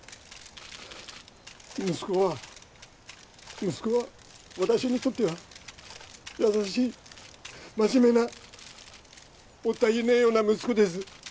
息子は息子は私にとっては優しい真面目なもったいねえような息子です